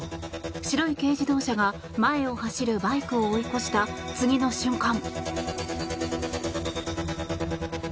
白い軽自動車が前を走るバイクを追い越した次の瞬間。